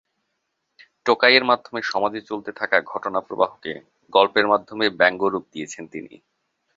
টোকাইয়ের মাধ্যমে সমাজে চলতে থাকা ঘটনাপ্রবাহকে গল্পের মাধ্যমে ব্যঙ্গরূপ দিয়েছেন তিনি।